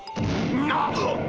なっ！